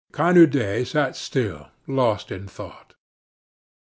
Cornudet sat still, lost in thought.